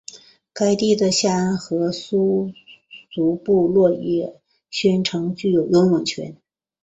该地的夏安河苏族部落也宣称具有拥有权。